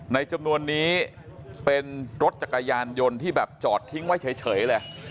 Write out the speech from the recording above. จำนวนนี้เป็นรถจักรยานยนต์ที่แบบจอดทิ้งไว้เฉยเลย